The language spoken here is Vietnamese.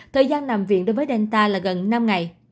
thời gian nằm viện đối với delta là gần năm ngày